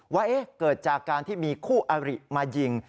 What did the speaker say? ว่าเกิดจากการที่มีคู่อริมายิง